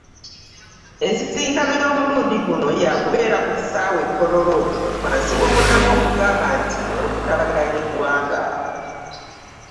Ensisinkano y’omulundi guno yaakubeera ku kisaawe e Kololo wansi w’omulamwa ogugamba nti, "Okutabaganya eggwanga.”